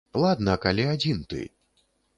Ладна, калі адзін ты.